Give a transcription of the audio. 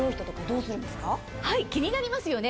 気になりますよね。